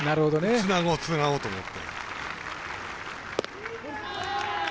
つなごう、つなごうと思って。